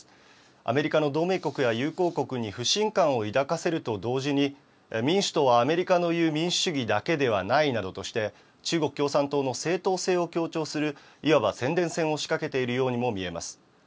アメリカの同盟国や友好国に不信感を抱かせると同時に、民主とはアメリカのいう民主だけではないとして、中国共産党の正統性を強調するいわば宣伝戦を仕掛けているようにも見えます。